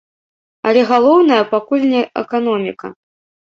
Але галоўнае, пакуль не эканоміка.